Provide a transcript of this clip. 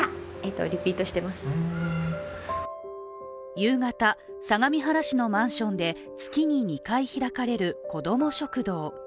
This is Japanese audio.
夕方、相模原市のマンションで月に２回開かれる、こども食堂。